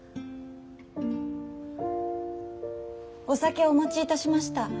お酒をお持ちいたしました。